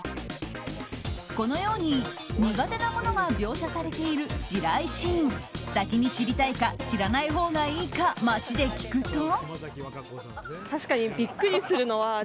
このように、苦手なものが描写されている地雷シーン先に知りたいか知らないほうがいいか街で聞くと。